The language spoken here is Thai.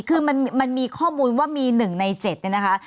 คือมันมีข้อมูลว่ามี๑ใน๗เนี่ยนะคะ